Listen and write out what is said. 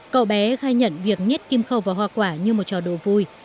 cậu bé khai nhận việc nhét kim khâu vào hoa quả như một trò đồ vui